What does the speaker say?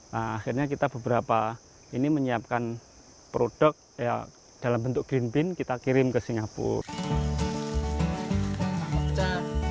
nah akhirnya kita beberapa ini menyiapkan produk dalam bentuk green bean kita kirim ke singapura